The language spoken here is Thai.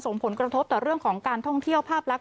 ส่งผลกระทบต่อเรื่องของการท่องเที่ยวภาพลักษณ